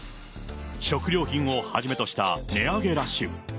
食料品をはじめとした値上げラッシュ。